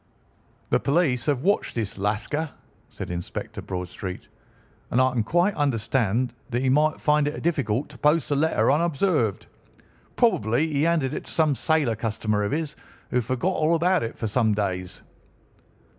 "The police have watched this Lascar," said Inspector Bradstreet, "and I can quite understand that he might find it difficult to post a letter unobserved. Probably he handed it to some sailor customer of his, who forgot all about it for some days."